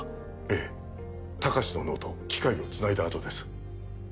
ええ隆の脳と機械をつないだ後です。